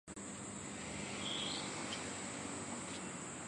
持斧罗摩池桥位于印度最东北部的鲁西特河出山口处的一座桥。